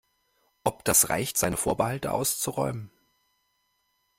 Ob das reicht, seine Vorbehalte auszuräumen?